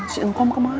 si nkom kemana